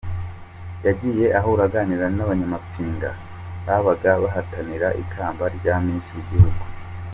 yagiye ahura akaganira n’abanyamapinga babaga bahatanira ikamba rya Miss w’Igihugu.